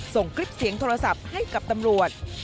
ส่งคลิปเสียงโทรศัพท์ให้กับตำรวจ